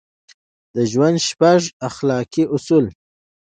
د ژوند شپږ اخلاقي اصول: